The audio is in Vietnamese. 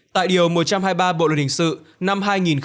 tại điều một trăm hai mươi ba bộ luật hình sự năm hai nghìn một mươi năm